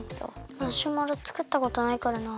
マシュマロつくったことないからな。